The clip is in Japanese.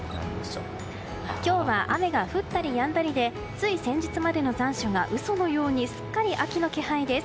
今日は雨が降ったりやんだりでつい先日までの残暑が嘘のようにすっかり秋の気配です。